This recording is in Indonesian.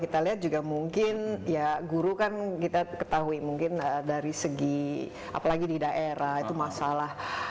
kita lihat juga mungkin ya guru kan kita ketahui mungkin dari segi apalagi di daerah itu masalah